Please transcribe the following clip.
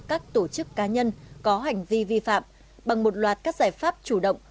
các tổ chức cá nhân có hành vi vi phạm bằng một loạt các giải pháp chủ động